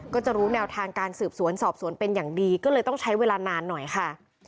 ก็จะรู้แนวทางการสืบสวนสอบสวนเป็นอย่างดีก็เลยต้องใช้เวลานานหน่อยค่ะ